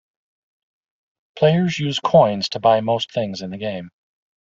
Players use "Coins" to buy most things in the game.